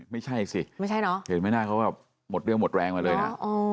ไม่ใช่สิไม่ใช่เนอะเห็นไหมหน้าเขาแบบหมดเรื่องหมดแรงมาเลยนะ